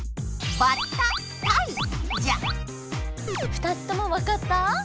２つともわかった？